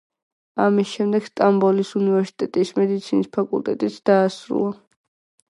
ამის შემდეგ, სტამბოლის უნივერსიტეტის მედიცინის ფაკულტეტიც დაასრულა.